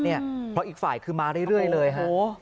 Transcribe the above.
อีกฝ่ายคือมาเรื่อยเลยค่ะ